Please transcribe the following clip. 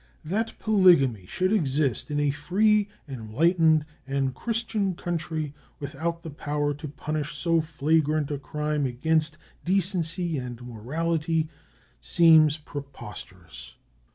That polygamy should exist in a free, enlightened, and Christian country, without the power to punish so flagrant a crime against decency and morality, seems preposterous.